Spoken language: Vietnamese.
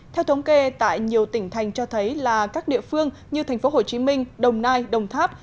theo thống kê tại nhiều tỉnh thành cho thấy là các địa phương như thành phố hồ chí minh đồng nai đồng tháp